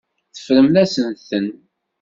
Teffremt-asent-ten.